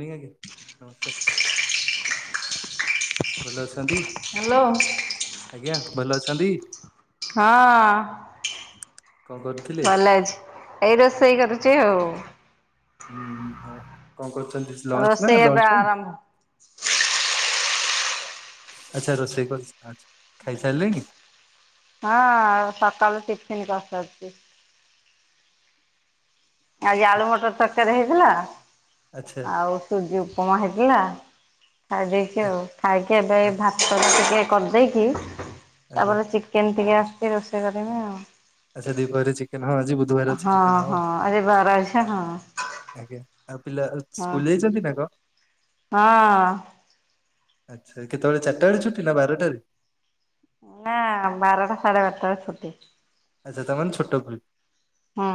ମୁଇଁ ଆଜ୍ଞା, ନମସ୍କାର୍। ଭଲ ଅଛ ତନ୍ତୀ, ହ୍ୟାଲୋ। ଆଜ୍ଞା ଭଲ ଅଛନ୍ତି? ହଁ। କଣ କରୁଥିଲେ? ଭଲ ଅଛି। ଏଇ ରୋଷେଇ କରୁଛି ଆଉ। ହୁଁ ଭଲ ।କଣ କରୁଛନ୍ତି, ଲଞ୍ଚ ନା ରୋଷେଇ ଏବେ ଲଞ୍ଚ ପାଇଁ? ଆରମ୍ଭ ଆଛା ରୋଷେଇ କରୁଛ। ଆଛା ଖାଇସାରିଲେଣିି? ହଁ, ସକାଳୁ ଟିଫିନ୍ କରିସାରିଛି। ଆଜି ଆଳୁ ଠିକ ମଟର ତରକାରୀ ହେଇଥିଲା, ଆଚ୍ଛା ଆଉ ସୁଜି ଉପ ଉପମା ହେଇଥିଲା। ଖାଇ ଦେଇେଇକି ଆଉ ଖାଇକି ଏବେ ଏ ଭାତରେ ଟିକେ କରିଦେଇକି, ଆଜ୍ଞା ତାପରେ ଚିକେନ ଟିକେ ଆସିଛି, ରୋଷେଇ କରିବି ଆଉ। ଆଛା ଦିପରେ ଚିକେନ ହବ, ଆଜି ବୁଧବାର ଅଛି ହଁ ଚିକେନ ହବ। ହଁ ଆଜି ବାର ଅଛି ହଁ ଆଜ୍ଞା ।ଆଉ ପିଲା ହଁ ସ୍କୁଲ ଯାଇଛନ୍ତି ନା କଣ? ହଁ। ଆଚ୍ଛା କେତେବେଳେ, ଚାରିଟା ବେଳେ ଛୁଟି ନା ବାରଟାରେ? ନା ବାରଟା ସାଢ଼େ ବାରଟାରେ ଛୁଟି। ଆଚ୍ଛା ତା ମାନେ ଛୋଟ ପିଲା। ହୁଁ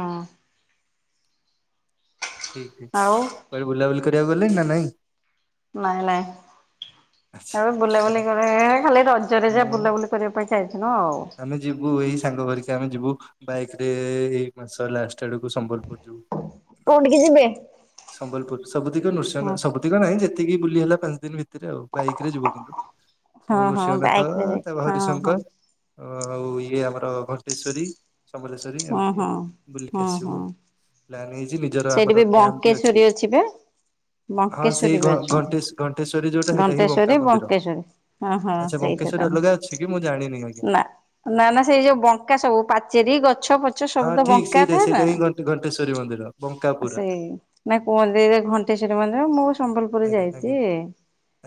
ଠିକ୍, ଆଉ କୁଆଡେ ବୁଲାବୁଲି କରିବାକୁ ଗଲେଣି ନା ନାଇଁ? ନାଇଁ ନାଇଁ। ଆଉ ଆଛା ବୁଲାବୁଲି କରେ, ଏ ଖାଲି ରଜରେ ଯେ ମୁଁ ବୁଲାବୁଲି କରିବା ପାଇଁ ଯାଏ। ଆମେ ଯିବୁ ଏଇ ସାଙ୍ଗ ହରିକି, ଆମେ ଯିବୁ ବାଇକ୍ ରେ ଏଇ ମାସ ଲାଷ୍ଟ। ତେଡକୁ ସମ୍ବଲପୁର ଯିବୁ। କୋଉଠିକି ଯିବେ? ସମ୍ବଲପୁର ସବୁ ଦିଗ ନୃଶ ହଁ ନା, ସବୁ ଦିଗ ନାହିଁ, ଯେତିକି ବୁଲି ହେଲା ପାଞ୍ଚ ଦିନ ଭିତ ଏଥିରେ ଆଉ, ବାଇକ ରେ ଯିବୁ କିନ୍ତୁ, ହଁ ହଁ ନୃସିଂହନାଥ ବାଇକ୍ ରେ ତା ଯାଇକି ପରେ ହଁ ହଁ ହରିଶଙ୍କର। ଅ, ଆଉ ଇଏ ଆମର ଘଣ୍ଟେଶ୍ୱରୀ । ସମଲେଶ୍ୱରୀ ହଁ ଏମିତି ଆଉ, ହଁ। ବୁଲିକି ହଁ ଆସିବୁ ହଁ ଆଉ। ସେଇଠି ବି ବଙ୍କେଶ୍ଵରୀ ଅଛି ବା? ହଁ ସେଇ ବଙ୍କେଶ୍ଵରୀ ଘ ବି ଅଛନ୍ତି ଘଣ୍ଟେଶ ଘଣ୍ଟେଶ୍ୱରୀ ଯୋଉଟା ସେଇଟା ହିଁ ।ଘଣ୍ଟେଶ୍ଵରୀ, ବଙ୍କେଶ୍ଵରୀ ହଁ, ହଁ ସେଇ। କେଶରୀ ଅଲଗା ଅଛି କି, ମୁଁ ଜଣିନି ଆଜ୍ଞା। ନା ନା ସେଇ ଯୋଉ ବଙ୍କା ସବୁ ପାଚେରୀ ଗଛ ଛ, ପଛ ହଁ ସବୁ ତ ଠିକ ବଙ୍କା ସେଇଟା ଥାଏ ସେଇଟା ନା। ହିଁ ଘଣ୍ଟ ଘଣ୍ଟେଶ୍ଵରୀ ମନ୍ଦିର ବଙ୍କା ପୁରା ସେଇ ନା କୁହନ୍ତି ଘଣ୍ଟେଶ୍ଵରୀ ମନ୍ଦିର। ମୁଁ ସମ୍ବଲପୁର ଆଜ୍ଞା ଆଜ୍ଞା। ଯାଇଛି।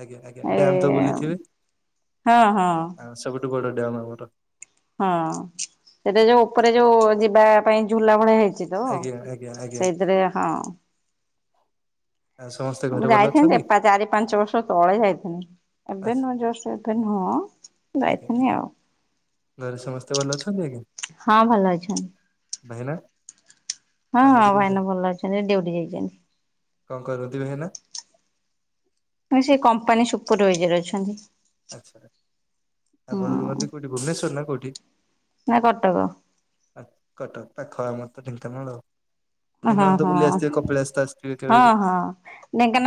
ଆଜ୍ଞା ଆଜ୍ଞା, ଏ ଡ୍ୟାମ୍ ତ ବୁଲିଥିବେ? ହଁ ହଁ। ଟ [inaudible] ହଁ, ସେଟା ଯୋଉ ଉପରେ, ଯୋଉ ଯିବା ପାଇଁ ଝୁଲା ଭଳିଆ ହେଇ ଥିବ, ଆଜ୍ଞା ଆଜ୍ଞା ଆଜ୍ଞା। ସେଇପରି ହଁ। ଆଉ ସମସ୍ତେ ମୁଁ ଘରେ ଭଲ ଯାଇଥାନ୍ତି ଯେ, ଅଛନ୍ତି ପା-ଚାରି ପାଞ୍ଚ ବର୍ଷ ତଳେ ଯାଇଥାନ୍ତି । ଏବେ ଆଚ୍ଛା ନୁହଁ, ଜଷ୍ଟ ଏବେ ନୁହଁ। ଆଜ୍ଞା ଯାଇଥାନ୍ତି ଆଜ୍ଞା ଆଉ ଘରେ ସମସ୍ତେ ଭଲ ଅଛନ୍ତି ଆଜ୍ଞା। ।ହଁ ଭଲ ଅଛନ୍ତି । ଭାଇନା? ହଁ ହଁ, କାମକୁ ଯାଇ ଭାଇନା ଭଲ ଅଛନ୍ତି। ଡିଉଟି ଯାଇଛନ୍ତି। କଣ କରନ୍ତି ଭାଇନା? ସେ କମ୍ପାନୀ ସୁପରଭାଇଜର ଅଛନ୍ତି। ଆଚ୍ଛା ହୁଁ ।ଆପଣ ରୁହନ୍ତି କୋଉଠି ଭୁବନେଶ୍ଵର ନା କୋଉଠି? ନା କଟକ। ଆ, କଟକ ପାଖ, ଆମର ତ ଢେଙ୍କାନାଳ। ହଁ, ଢେଙ୍କାନାଳ ତ ବୁଲି ହଁ। ଆସିଥିବେ କପିଳାସ ତ ଆସିଥିବେ କେବେ ହଁ ବି ହଁ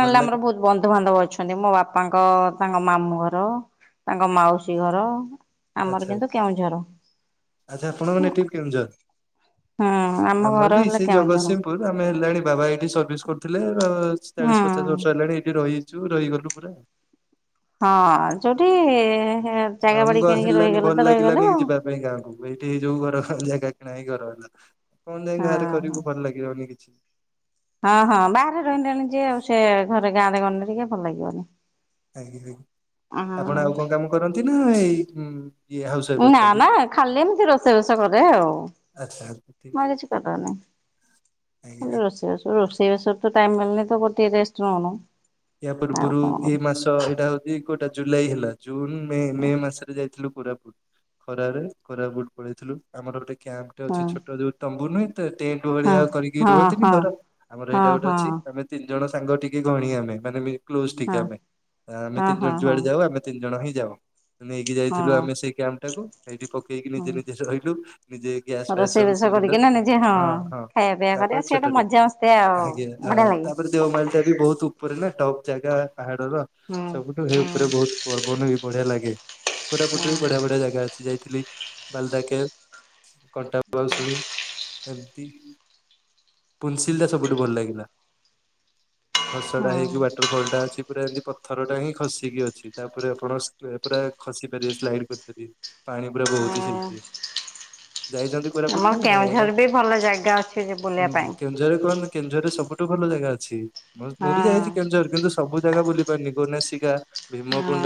ଭଲ ଲାଗେ ଆମର ବହୁତ ବନ୍ଧୁବାନ୍ଧବ ଅଛନ୍ତି। ମୋ ବାପାଙ୍କ ତାଙ୍କ ମାମୁଁ ଘର, ତାଙ୍କ ମାଉସୀ ଘର। ଆମର ଆଛା, କିନ୍ତୁ କେଉଁଝର। ଆଚ୍ଛା ଆପଣ ମାନେ ଏଠି କେଉଁଝର। ହୁଁ ଆମ ଘର ଆମର ବି ହେଲା ସେଇ କେଉଁଝର ଜଗତସିଂହପୁର ଆମେ ହେଲାଣି ବାବା ଏଇଠି ସର୍ଭିସ୍ କରୁଥୁଲେ ତ ହୁଁ। ଚାଳିଶ ପଚାଶ ବର୍ଷ ହେଲାଣି ଏଇଠି ରହି ଚୁ ରହିଗଲୁ ପୁରା। ହଁ ଯୋଉଠି ଜାଗା ବାଡି ଆମୁକୁ ଆ କିଣିକି ହେଲାନି ରହିଗଲେ ଭଲ ତ ରହିଗଲେ ଲାଗିଲାନି ଆଉ। ଯିବା ପାଇଁ ଗାଁକୁ ଏଇଠି ଏଇ ଯୋଉ ଘର ଜା ଗା କିଣା ହେଇ ଘର ହେଲା କଣ ଯାଇ ହଁ ଗାଁରେ ହଁ କରିବୁ ଭଲ ଲାଗିବନି କିଛି। ହଁ ହଁ ବାହାରେ ରହିଲେଣି ଯିଏ ଆଉ ସିଏ ଘରେ ଗାଁରେ ଗନେ ବି କିଏ ଭଲ ଲାଗିବନି। ଆଗ୍ରିବେ ଆପଣ ଆଉ କଁ ହଁ କାମ କରନ୍ତି ନାଁ ଏଇ ଉଁ ଇଏ ହାଉସ ୱାଇଫ ନାଁ ଅଛନ୍ତି ନାଁ ଖାଲି ଏମିତି ରୋଷେଇ ବାସ କରେ ଆଉ। ଆଚ୍ଛା ଠିକ। ମୁଁ ଆଉ କିଛି କରେନେଇ ଆଜ୍ଞା ହାଲି ଆଜ୍ଞା। ରୋଷେଇ ରୋଷ୍ ହେଇ ବାସରୁ ତ ଟାଇମ୍ ମିଳୁନେଇ ତ ଗୋ ଟିଏ ରେଷ୍ଟ୍ ନୋଉନୁ। ଏହା ପୂର୍ବୁରୁ ଏଇ ମାସ ଏଇଟା ହଉଚି କୋଉଟା ଜୁଲାଇ ହେଲା। ଜୁନ୍ ମେ ମେ ମାସରେ ଯାଇଥିଲୁ କୋରାପୁଟ୍ ଖରାରେ କୋରାପୁଟ୍ ପଳେଇଥିଲୁ ଆମର ଅଟେ କ୍ୟାମ୍ପ୍ ଟେ ହଁ ଅଛି ଛୋଟ ଯୋଉ ତମ୍ବୁ ନୁହେଁ ତ ଟେଣ୍ଟ୍ ହଁ ଭଳିଆ କରିକି ରୁହନ୍ତିନି ହଁ ଘର ଆମର ହଁ ହେଇଟା ହଁ ଗୋଟେ ହଁ ଅଛି ଆମେ ତିନି ଜଣ ସାଙ୍ଗ ଟିକେ ଘଣୀ ଆମେ ମାନେ ମି କ୍ଲୋଜ୍ ଟିକେ ହଁ ଆମେ। ଆ ଆମେ ହଁ ତିନି ଜଣ ହଁ ହଁ ଯୁଆଡ଼େ ଯାଉ ଆମେ ତିନି ଜଣ ହିଁ ଯାଉ ନେଇକି ଯାଇଥିଲୁ ହଁ। ଆମେ ସେଇ କ୍ୟାମ୍ ଟାକୁ। ଏଇଠି ପକେଇକି ହଁ। ନିଜେ ନିଜେ ରହିଲୁ ନିଜେ ଗ୍ୟାସ୍ ଫ୍ୟାସ୍ ରୋଷେଇ ସବୁ ବାସ ସିଲିଣ୍ଡର କରିକିନା ନିଜେ ହଁ ହଁ ଖାଇବା ପିଇବା ତା କରିବା ସେ ଗୋଟେ ଛୋଟଟେ ମଜା ମସ୍ତି ଆଉ ଆଜ୍ଞା ଆ ବଢିଆ ଲାଗେ। ତାପରେ ଦେଓମାଳିଟା ବି ବୋହୁତ ଉପ ଉନା ଟପ୍ ଜାଗା ପାହାଡ଼ର ହୁଁ ସବୁଠୁ ହେ ହୁଁ ଉପରେ ବୋହୁତ ପବନ ବି ବଢ଼ିଆ ଲାଗେ। କୋରାପୁଟରେ ବି ବଢ଼ିଆ ବଢ଼ିଆ ଜାଗା ଅଛି ଯାଇଥିଲି ବାଲଦାକେ କଣ୍ଟା ଭୁଆଶୁଣି। ଏମତି ପୁଲ୍ ସିଲ୍ ଟା ସବୁଠୁ ଭଲ ଲାଗିଲା। ହୁଁ ତଡ଼ା ହେଇକି ୱାଟରଫଲ୍ ଟା ଅଛି ପୁରା ଏନ୍ତି ପଥରଟା ହିଁ ଖସିକି ଅଛି ତାପରେ ଆପଣ ସ୍ ପୁରା ଖସି ପାରିବେ ସ୍ଲାଇଡ଼୍ କରିପାରିବେ ପାଣି ପୁରା ବହୁତୁ ଶଲ୍କି। ହୁଁ। ଯାଇଛନ୍ତି କୋରାପୁଟ୍ ଆମର କେବେ ନାଁ କେଉଁଝର ଯାଇନାହାନ୍ତି ବି ଭଲ ଜାଗା ଅଛି ଯେ ବୁଲିବା ଉଁ ପାଇଁ। କେନ୍ଦୁଝରରେ କୁହନ୍ତି କେଉଁଝରରେ ସବୁଠୁ ଭଲ ଜାଗା ଅଛି ମୁଁ ଜ୍ ମୁଁ ହଁ ବି ଯାଇଚି କେଉଁଝର କିନ୍ତୁ ସବୁ ଜାଗା ବୁଲି ଗନି ଗୋନାଶିକା। ହଁ ଭୀମକୁୁଣ୍ଡ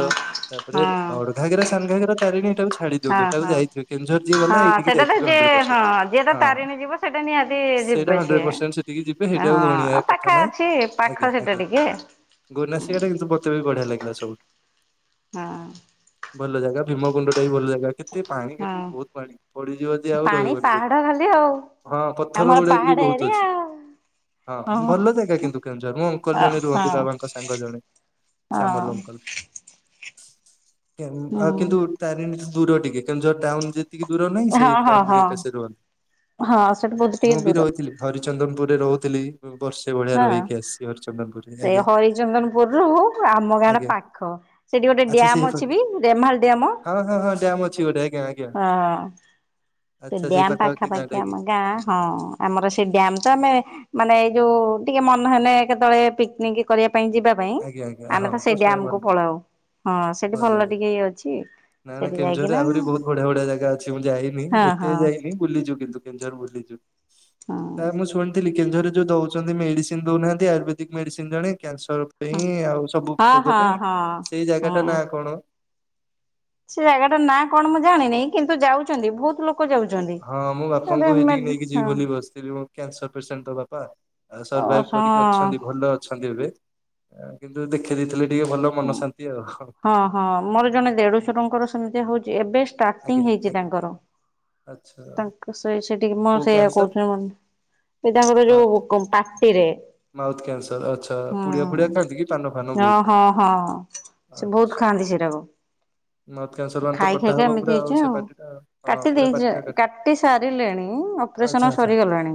ତାପରେ ହଁ ବାଉଡ଼ଘାଗରା ସାନଘାଗର ତାରିଣୀ ଏଇଟାକୁ ଛାଡ଼ି ଦିଅନ୍ତୁ ହଁ ହେଟାକୁ ହଁ। ଯାଇଥିବ କେଁଝର ଯିଏ ଗଲେ ହଁ ହେଇଠିକି ସେଇଟା ତ ଯାଇଥିବେ ହଣ୍ଡରେ ଯିଏ ପରସେଣ୍ଟ୍ ହଁ ଯିଏ ତ ହଁ ତାରିଣୀ ଯିବ ସେଇଟା ନିହାତି ସେଇଟା ଯିବେ ହାଣ୍ଡରେ ସିଏ। ପରସେଣ୍ଟ୍ ସେଠିକି ଯିବେ ହେ ଏଟାଉ ହଁ ଗଣିଆ ଆଉ କଥା ପାଖା ନାଇଁ ଅଛି ପାଖ ଆଜ୍ଞା ସେଟା ଆଜ୍ଞା ଟିକେ ହଁ। ଗୋନାସିକାଟା କିନ୍ତୁ ପଥମେ ବଢ଼ିଆ ଲାଗିଲା ସବୁଠୁ। ହଁ। ଭଲ ଜାଗା ଭୀମକୁୁଣ୍ଡଟା ବି ଭଲ ଆ ଲା କେତେ ପାଣି ହେଟି ହଁ। ବୋହୁତ ପାଣି ପଡ଼ିଯିବ ଯଦି ଆଉ ପାଣି ରହିବନି ପାହାଡ ସେଇଠି। ଖାଲି ଆଉ ହଁ ପଥର ଆମର ଉଡ଼ାକ ବି ପାହାଡ ବହୁତ ଏରିଆ ଅଛି ଆଉ। ହଁ ଭଲ ଜାଗା କିନ୍ତୁ। କେଉଁଝର ମୋ ଅଙ୍କଲ୍ ଅ ଜଣେ ରୁହନ୍ତି ହଁ। ବାବାଙ୍କ ସାଙ୍ଗ ଜଣେ ହଁ ସାମଲ ଅଙ୍କଲ୍। ଏଁ ହୁଁ ଆଉ କିନ୍ତୁ ତାରିଣୀଠୁ ଦୂର ଟିକେ କେଉଁଝର ଟାଉନ୍ ଯେ ତିକି ଦୂର ନାହିଁ ସେଇ ହଁ ହଁ ଟାଉନ୍ ହଁ ଭିତ ସିଏ ରୁହନ୍ତି ହଁ ସେଠୁ ବହୁତ ଟିକେ ମୁଁ ବି ଦୂର ରହିଥିଲି ହରି ଚନ୍ଦନପୁରରେ ରହୁଥିଲି ଉଁ ବର୍ଷେ ଭଳିଆ ହଁ ରହି ସେ ହରିଚନ୍ଦନପୁରରୁ ଆମ ଗାଁଟା ଆଜ୍ଞା ପାଖ ସେଠି ଗୋଟେ ଆଚ୍ଛା ସେଇ ଡ୍ୟାମ ଅଛିି ପଟେ ବି ରେମ୍ହାଲ ଡିଆମ। ହଁ ହଁ ହଁ ଡ୍ୟାମ୍ ଅଛି ଗୋଟେ ଆଜ୍ଞା ଆଜ୍ଞା। ହଁ। ସେ ଆଚ୍ଛା ସେଇ ଡ୍ୟାମ୍ ପାଖାପାଖି ଗାଁଟା କି ଆମ ଗାଁ ହଁ ଆମର ସେ ଡ୍ୟାମ୍ ତ ଆମେ ମାନେ ଏଇ ଯୋଉ ଟିକେ ମନ ହେଲେ କେତୋଳେ ପିକନିକ୍ କରିବା ପାଇଁ ଯିବା ପାଇଁ ଆଜ୍ଞା ଆଜ୍ଞା ଆମେ ହଁ ତ ସେଇ ପର୍ସନାଲ ଡ୍ୟାମ୍ ଭଲ କୁ ଭଲ। ପଳାଉ। ହଁ ସେଠି ଭଲ ଟିକେ ଇଏ ଅଛି ନାଁ ନାଁ ସେଠି କେଁଝରରେ ଯାଇକିନା ଆହୁରି ବୋହୁତ ବଢ଼ିଆ ବଢ଼ିଆ ଜାଗା ଅଛି ମୁଁ ଯାଇନି। ଉଁ ହଁ ଏତେ ହଁ ଯାଇନି ବୁଲିଚୁ କିନ୍ତୁ କେଉଁଝର ବୁଲିଚୁ ହଁ ତା ମୁଁ ଶୁଣିଥିଲି କେଉଁଝରରେ ଯୋଉ ଦଉଚନ୍ତି ମେଡ଼ିସିନ୍ ଦୋଉନାହାନ୍ତି ଆୟୁର୍ବେଦିକ୍ ମେଡ଼ିସିନ୍ ଜଣେ କ୍ୟାନ୍ସର୍ ପାଇଁ ଆଉ ସବୁ ହଁ ରୋଗ ହଁ ପାଇଁ ହଁ ସେଇ ଜାଗା ଟା ହଁ ନା କଣ? ସେ ଜାଗାଟା ନାଁ କଣ ମୁଁ ଜାଣିନି କିନ୍ତୁ ଯାଉଛନ୍ତି ବହୁତ ଲୋକ ଯାଉଛନ୍ତି। ହଁ ମୁଁ ଗୋଟେ ବାପାଙ୍କୁ ମେ ହେଇଠିକି ନେଇକି ଯିବି ବୋଲି ବସିଥିଲି କ୍ୟାନସର ପେସେଣ୍ଟ ତ ବାପା। ହଁ ଅସ [unintelligible] କରିକି ଅଛନ୍ତି ଭଲ ଅଛନ୍ତି ଏବେ କିନ୍ତୁ ଦେଖେଇ ଦେଇଥିଲେ ଟିକେ ଭଲ ମନ ଶାନ୍ତି ଆଉ ହଁ ହଁ ମୋର ଜଣେ ଦେଢଶୁହଙ୍କର ସେମିତି ହଉଛି ଏବେ ଷ୍ଟାଟିଙ୍ଗ ଆଜ୍ଞା ହେଇଛି ଆଜ୍ଞା ତାଙ୍କର ଆଚ୍ଛା। ତାଙ୍କ ସେ ସେଠିକି ମ କୋଉ ସେଇୟା କ୍ୟାନସର କହୁଥିଲି ମ ଏ ତାଙ୍କର ମା ଯୋଉ ପାଟିରେ ମାଉଥ କ୍ୟାନସର ଆଚ୍ଛା ହୁଁ ପୁଡିଆ ଫୁଡିଆ ଖାଆନ୍ତି କି ପାନ ଫାନ ହଁ ବହୁତ? ହଁ ହଁ ସେ ବହୁତ ଆଚ୍ଛା ଖାଆନ୍ତି ସେଟାକୁ। ମାଉଥ କ୍ୟାନସର ସେ ମାନେ ତ ଖାଇ କଟା ଖାଇକି ହବ ଏମିତି ପୁରା ହେଇଛି ସେ ଆଉ ପାଟିଟା ହଁ କାଟି ପୁରା ଦେଇଛ ପାଟିଟା କାଟି ସାରିଲେଣି। ଆଚ୍ଛା ଅପରେସନ ଆଚ୍ଛା ସରିଗଲାଣି।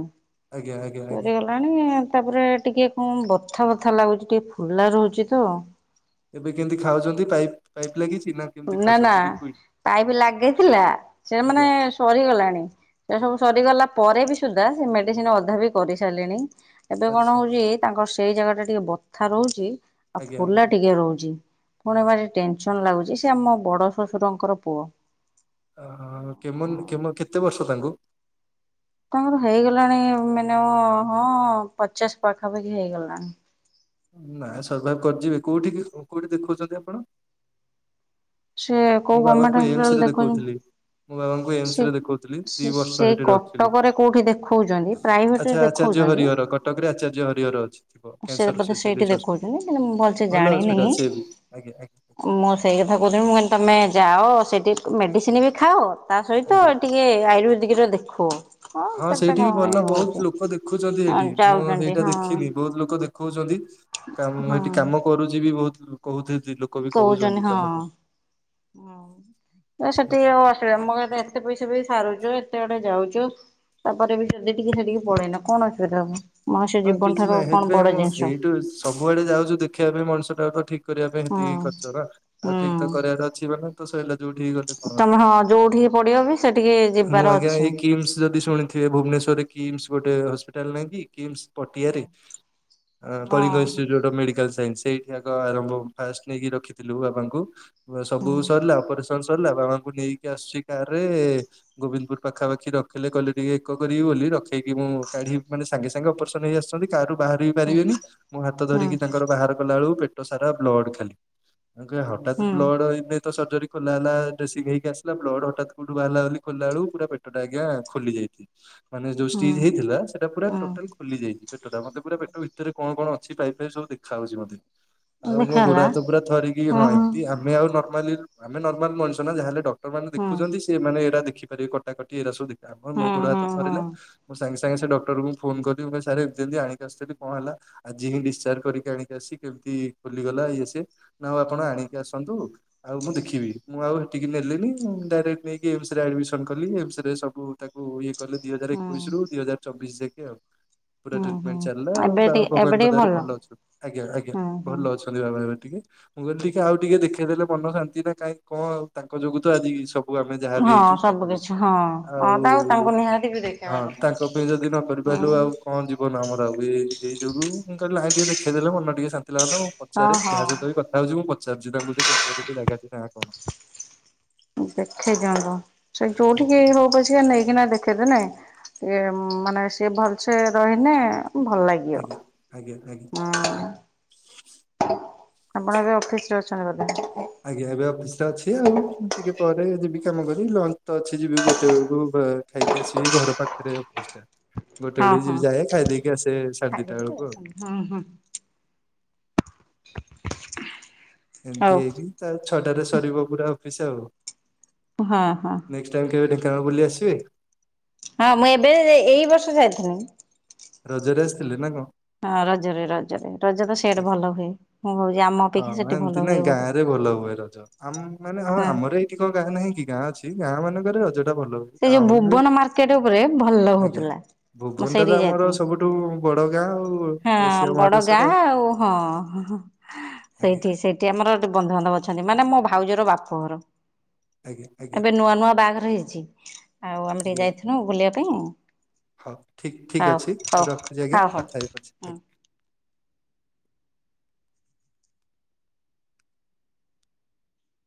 ଆଜ୍ଞା ଆଜ୍ଞା ଆଜ୍ଞା। ସରିଗଲାଣି ତାପରେ ଟିକେ କଣ ବଥା ବଥା ଲା ହଉଛି ଟିକେ ଫୁଲା ରହୁଛି ତ। ଏବେ କେମିତି ଖାଉଛନ୍ତି ପାଇପ ପାଇପ୍ ଲାଗିଛି ନା କେମିତି ଖାଉଛନ୍ତି ଲିକୁଇଡ଼ ପାଇପ ଲାଗିଥିଲା ସେ ମାନେ ସରିଗଲାଣି ସେ ସବୁ ସରିଗଲା ପରେ ବି ସୁଧା ମେଡିସିନ ଅଧା ବି କରି ସାରିଲେଣି ଏବେ କଣ ଆଚ୍ଛା ହଉଛି ତାଙ୍କ ସେଇ ଜାଗାଟା ଟିକେ ବଥା ରହୁଛି। ଆଉ ଆଜ୍ଞା ଫୁଲା ଆଜ୍ଞା। ଟିକେ ରହୁଛି ପୁଣି ଭାରି ଟେନସନ ଲାଗୁଛି ସେ ଆମ ବଡ ଶଶୁରଙ୍କର ପୁଅ। ଆ କେମନ କେମ କେତେ ବର୍ଷ ତାଙ୍କୁ? ତାଙ୍କର ହେଇଗଲାଣି ମାନେ ହଁ ହଁ ପଚାଶ ପାଖାପାଖି ହେଇଗଲାଣି। ନା ସର୍ଭାଇଭ କରିଯିବେ କୋଉଠିକି କୋଉଠି ଦେଖଉଛନ୍ତି ଆପଣ? ସେ କୋଉ ମୁଁ ଗଭର୍ଣ୍ଣମେଣ୍ଟ ବାବାଙ୍କୁ ଏମସ ହସ୍ପିଟାଲ ରେ ଦେଖୁଛନ୍ତି। ଦେଖଉଥିଲି। ମୋ ବାବାଙ୍କୁ ଏମସ ସେ ରେ ଦେଖଉଥିଲି ଦି ସେ ବର୍ଷ ସେଇ ସେଇଠି ରଖୀଥିଲୁ କଟକରେ କୋଉଠି ଦେଖଉଛନ୍ତି ପ୍ରାଇଭେଟରେ ଆଛା ଆଛା ଦେଖଉଛନ୍ତି। ହରିହର କଟକରେ ଆଚାର୍ଯ୍ୟ ହରିହର ଅଛି ସେ କ୍ୟାନ୍ସର ବୋଧେ ସେଇଠି ସ୍ପେଶିଆଲିଷ୍ଟ ଦେଖଉଛନ୍ତି କିନ୍ତୁ ମୁଁ ଭଲସେ ଭଲ ଜାଣିନି। ହସ୍ପିଟାଲ। ସେ ବି ଆଜ୍ଞା ଆଜ୍ଞା। ମୁଁ ସେଇ କଥା କହୁଥିଲି ମୁଁ କହି ତମେ ଯାଅ ସେଠି ମେଡ଼ିସିନ ବି ଖାଅ ତା ସହିତ ଆଜ୍ଞା ଟିକେ ଆୟୁର୍ବେଦିକ ଦିକିରେ ଦେଖ। ହଁ ସେଇଠି ବି ଭଲ ବହୁତ ଲୋକ ଦେଖୁଛନ୍ତି ହଁ ହେଠି ମୁଁ ଯାଉଛନ୍ତି ସେଇଟା ହଁ। ଦେଖିଲି ବହୁତ ଲୋକ ଦେଖୁ କହୁଛନ୍ତି କାମ ହଁ ଏଠି କାମ କରୁଛି ବି ବହୁତ ଲୋକ ହଉଛନ୍ତି। କହୁଛନ୍ତି ହଁ ହଁ। ସେଠିକି ଆଉ ଅସୁବିଧା ମୋ ହେଲେ ଏତେ ପଇସା ବି ରୁଛ ଏତେ ବଡେ ଯାଉଛୁ ତାପରେ ବି ଯଦି ଟିକେ ସେଠିକି ପଳେଇଲା କଣ ଅସୁବିଧା ହବ? ମଣିଷ ହଁ ଜୀବନ କିଛି ଠାରୁ ନାହିଁ କଣ ସେଥିପାଇଁ ବଡ ମୁଁ ଜିନିଷ। ଏଇଠୁ ସବୁଆଡେ ଯାଉଛୁ ଦେଖିବା ପାଇଁ ମଣିଷଟାକୁ ତ ଠିକ କରିବା ପାଇଁ ହଁ ଏତିକି ଖର୍ଚ୍ଚ ହେଲା ଆଉ ଠିକ ତ ହୁଁ କରିବାର ଅଛି ବୋଲେ ତ ସେଇଲାଗି ଯଉଠି ଗଲେ କଣ ଅ ତମେ ହଁ ଯୋଉଠିକି ପଡିବ ବି ସେଠିକି ମୁଁ ଯିବାର ଆଜ୍ଞା ଅଛି। ଏଇ କିମ୍ସ ଯଦି ଶୁଣିଥିବେ ଭୁବନେଶ୍ଵର କିମ୍ସ ଗୋଟେ ହସ୍ପିଟାଲ ନାହିଁ କି କିମ୍ସ ପଟିଆରେ। ହଁ Kalinga institute of medical science. ଆଗ ଆରମ୍ଭ ଫାଷ୍ଟ ନେଇକି ରଖିଥିଲୁ ବାବାଙ୍କୁ ହୁଁ ସବୁ ସରିଲା ଅପରେସନ୍ସ ସରିଲା ବାବାଙ୍କୁ ନେଇକି ଆସୁଛି କାର ରେ ଗୋବିନ୍ଦପୁର ପାଖାପାଖି ରଖିଲେ କହିଲେ ଟିକେ ଏକ କରିବି ବୋଲି। ରଖେଇକି ମୁଁ କାଢି ମାନେ ସାଙ୍ଗେ ସାଙ୍ଗେ ଅପରସ ହେଇ ଆସିଛନ୍ତି କାରୁ ବାହାରି ବି ପାରିବେନି ମୁଁ ହାତ ହୁଁ ଧରିକି ତାଙ୍କର ବାହାର କଲା ବେଳକୁ ପେ ଟ ସାରା ବ୍ଲଡ଼ ଖାଲି [unintelligible] ହଠାତ୍ ହୁଁ ବ୍ଲଡ [unintelligible] ର୍ଜରୀ ଖୋଲା ହେଲା ଡ୍ରେସିଂ ହେଇ କି ଆସିଲେ ବ୍ଲଡ଼ ହଠାତ୍ କୋଉଠୁ ବାହାରିଲା ବୋଲି ଖୋଲିଲା ବେଳକୁ ପୁରା ପେଟା ଟା ଆଜ୍ଞା ଖୋଲି ଯାଇଛି ମାନେ ଯୋଉ ଷ୍ଟିଜ୍ ହୁଁ ହେଇଥିଲା ସେଟା ପୁରା ଟୋଟାଲ ହୁଁ ପେଟ ଟା ମତେ ପୁରା ପେଟ ଭିତରେ କଣ କଣ ଅଛି ପାଇପ ଫାଇପ ସବୁ ଦେଖାଯାଉଚି ମତେ। ଆଉ ମୋ ଦେଖା ଗୋଡ ହେଲା ହାତ ପୁରା ଥରିକି ହଁ ଏମତି ଆମେ ଆଉ ନାର୍ମାଲି ଆମେ ନର୍ମାଲ ମଣିଷ ନା ଯାହା ହେଲେ ଡକ୍ଟରମାନେ ହୁଁ ଦେଖୁଛନ୍ତି ସେମାନେ ଏରା ଦେଖିପାରିବେ କଟାକଟି ଏଇରା ସବୁ ଦେଖ [unintelligible] ମୋ ହୁଁ ଗୋଡ ହୁଁ ହାତ ହୁଁ ଥରିଲା ମୁଁ ସାଙ୍ଗେ ସାଙ୍ଗେ ସେ ଡକ୍ଟରଙ୍କୁ ଫୋନ କର ମୁଁ କହିଲି ସାରେ ଏମତୀ ଏମତୀ ଆଣି ଆସିଥିଲି କଣ ହେଲା ଆଜି ହିଁ ଡିସଚାର୍ଜ କରିକି ଆଣିକି ଆସିଛି କେମିତି ଖୋଲିଗଲା ଇଏ ସିଏ। ନାଉ ଆପଣ ଆଣିକି ଆସନ୍ତୁ ଆଉ ମୁଁ ଦେଖିବି ମୁଁ ଆଉ ହେଠିକି ନେଲିନି ଡାଇରେଟ ନେଇକି ଏମ ସରେ ଆଡ଼ମିଶନ କଲି ଏମ ସରେ ସବୁ ତାକୁ ଇଏ କଲି ଦି ହଜାର ହୁଁ ଏକୋଇଶ ରୁ ଦି ହଜାର ଚବିଶ ଯାକେ ଆଉ ପୁରା ହୁଁ ହୁଁ ଟ୍ରିଟମେଣ୍ଟ ଚାଲିଲା ଆଉ ଏବେ ବାବା ଟିକେ ଏବେ ଭଗବାନଙ୍କ ଟିକେ ଦୟାରୁ ଭଲ ଅଛନ୍ତି ଆଜ୍ଞା ଆଜ୍ଞା ହୁଁ ହୁଁ। ଭଲ ଅଛନ୍ତି ବାବା ଏବେ ଟିକେ ମୁଁ କହିଲି ଟିକେ ଆଉ ଟିକେ ଦେଖେଇ ଦେଲେ ମନ ଶାନ୍ତି ନା କାଇଁ କଣ ଆଉ ତାଙ୍କ ଯୋଗୁ ତ ଆଜି ସବୁ ଆମେ ଯାହା ବି ହଁ ହେଇଛୁ ସବୁ ତାଙ୍କ ଯୋଗୁ କିଛି ହଁ ହଁ ତାଉ ତାଙ୍କୁ ଆଉ ନିହାତି ବି ଦେଖେଇବା ହଁ କଥା। ତାଙ୍କ ପାଇଁ ଯଦି ନକରିବୁ ଆଉ ହଁ କଣ ଜୀବନ ଆମର ଆଉ [unintelligible] ଯୋଗୁ କାଲି ଭାଇ ଟିକେ ଦେଖେଇ ଦେଲେ ମନ ଟିକେ ଶା ଥିଲାତା ମୁଁ ପଚାରି ଯାହା ସହିତ ବି ହଁ କଥା ହଉଛି ମୁଁ ପଚାରୁଛି ତାଙ୍କୁ ଟିକେ [unintelligible] ସେ ଜାଗା ନା କଣ? ଦେଖେଇ ଦିଅନ୍ତ ସେ ଆଜ୍ଞା ଯୋଉଠିକି ଆଜ୍ଞା ହଉ ପଛିିକା ନେଇକିନା ଦେଖେଇ ଦେଲେ ଇଏ ଆଉ ମାନେ ସିଏ ଭଲସେ ରହିନେ ଭଲ ଲାଗିବ ଆଜ୍ଞା ଆଜ୍ଞା ଆଜ୍ଞା। ହଁ। ଆପଣ ଏବେ ଅଫିସରେ ଅଛନ୍ତି ବୋଧେ? ଟା ଅଛି ଆଉ ଟିକେ ପରେ ଯିବି କାମ କରିବି ଲଞ୍ଚ ତ ଅଛି ଯିବି ଗୋଟେ ବେଳକୁ ଖା-ଖାଇକି ଆସିବି ଘ ମୋର ପାଖରେ ଅଫିସଟା। ଗୋଟେ ହଁ ବେଳେ ଯିଏ ହଁ ଯାଏ ଖାଇ ଦେଇକି ଆସେ ସାଢେ ଦିଟା ଖାଇଦେଇକି ବେଳକୁ ପଳେଇ ଆଉ। [inaudible] ଆସନ୍ତୁ ହୁଁ ହୁଁ [inaudible] ଏମିତି ହଉ ହେଇକି ତା ଛଅଟାରେ ସରିବ ପୁରା ଅଫିସ ଆଉ। ହଁ ହଁ। କଣ ବୁଲି ଆସିବେ? ହଁ ମୁଁ ଏବେ ଏଇ ବର୍ଷ ଯାଇଥିଲି। ରଜରେ ଆସିଥିଲେ ନା କଣ? ହଁ ରଜରେ ରଜରେ ରଜ ତ ସେଇଠି ଆଚ୍ଛା। ଭଲ ହୁଏ ମୁଁ ଭାବୁଛି ଆମ ହଁ ଅପେକ୍ଷା ସେଠି ଏମିତି ଭଲ ନା ହୁଏ ଗାଁ ବୋଲି। ରେ ଭଲ ହୁଏ ରଜ ଆମ ମାନେ ହଁ ଆମର ଏଇଠି କଣ ଗାଁ ନାହିଁକି ଗାଁ ଅଛି ଗାଁ ମାନଙ୍କରେ ରଜ। ଟା ଭଲ ହୁଏ ସେ ଯୋଉ ଟାଉନରେ ଭୁବନ ମାର୍କେଟ ଉପରେ ଭଲ ହଉଥିଲା। ମୁଁ ଭୁବନଟା ତ ସେଇଠିକି ଆମର ଯାଇଥିଲି ସବୁଠୁ ବଡ ଗାଁ ଆଉ ହଁ ଏସିଆ ବଡ ମହାଦେଶର। ଗାଁ ଆଉ ହଁ ସେଇଠି ଆଜ୍ଞା ସେଇଠି ଆମର ଦୁ ବନ୍ଧୁବାନ୍ଧବ ଅଛନ୍ତି ମାନେ ମୋ ଭାଉଜର ବାପଘର ଆଜ୍ଞା ଆଜ୍ଞା ଏବେ ନୂଆ ନୂଆ ବାହାଘର ହେଇଛି। ଆଉ ଆମେ ଟିକେ ଆଜ୍ଞା। ଯାଇଥିଲୁ ବୁଲିବା ପାଇଁ। ହଉ ଠିକ ଠିକ ଆଉ ଅଛି ହଉ ମୁଁ ରଖୁଛି ଆଜ୍ଞା ହଉ ହଉ। କଥା ହେବି ପାଛେ ହୁଁ। ଆଜ୍ଞା।